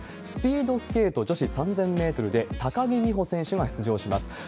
スピードスケート女子３０００メートルで、高木美帆選手が出場します。